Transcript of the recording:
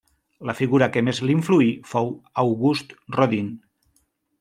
La figura que més l'influí fou August Rodin.